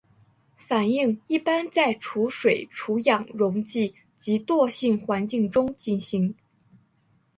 反应一般在除水除氧溶剂及惰性环境中进行。